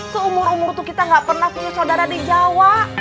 seumur umur tuh kita gak pernah punya saudara di jawa